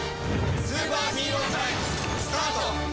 スーパーヒーロータイムスタート！